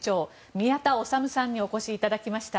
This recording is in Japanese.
宮田律さんにお越しいただきました。